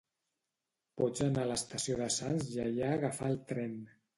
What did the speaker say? Pots anar a l'estació de Sants i allà agafar el tren.